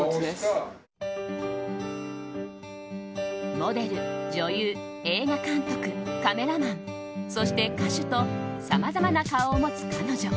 モデル、女優、映画監督カメラマンそして歌手とさまざまな顔を持つ彼女。